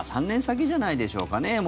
３年先じゃないでしょうかね